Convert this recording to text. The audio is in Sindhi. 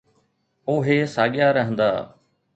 اهي ساڳيا رهندا.